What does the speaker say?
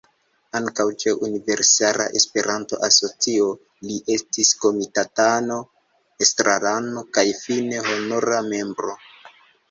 Ankaŭ ĉe Universala Esperanto-Asocio li estis komitatano, estrarano kaj fine Honora Membro.